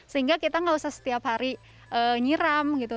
sehingga kita nggak usah setiap hari nyiram gitu